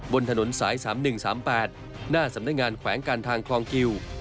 บนถนนสาย๓๑๓๘หน้าสำนักงานแขวงการทางคลองกิว